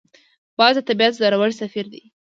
باز د طبیعت زړور سفیر دی